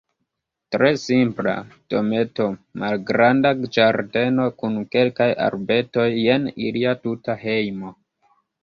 Tre simpla dometo, malgranda ĝardeno kun kelkaj arbetoj, jen ilia tuta hejmo.